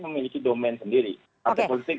memiliki domain sendiri partai politik